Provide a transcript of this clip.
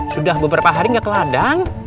sudah beberapa hari nggak ke ladang